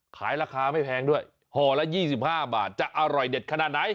ขายราคาไม่แพงด้วยห่อละ๒๕บาทจะอร่อยเด็ดขนาดไหน